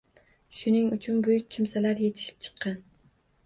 Shunig uchun buyuk kimsalar yetishib chiqqan.